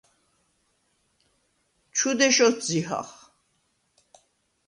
ჩუ დეშ ოთზიჰახ.